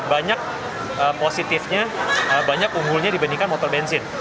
banyak positifnya banyak unggulnya dibandingkan motor bensin